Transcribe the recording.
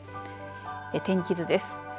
天気図です。